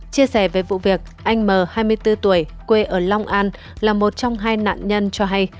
chia sẻ về vụ việc anh m hai mươi bốn tuổi quê ở long an là một trong hai nạn nhân cho hay